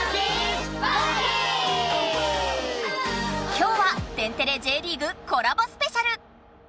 きょうは「天てれ」・Ｊリーグコラボスペシャル！